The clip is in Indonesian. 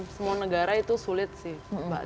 semua negara itu sulit sih mbak